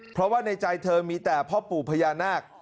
เพราะว่าในใจเธอมีแต่พ่อปู่พญานาค